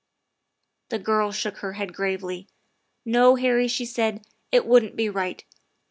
The girl shook her head gravely. " No, Harry," she said, " it wouldn't be right.